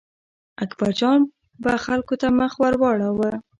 اکبرجان به خلکو ته مخ ور واړاوه.